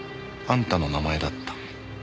あんたの名前だった。